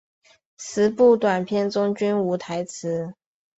十部短片中均无台词。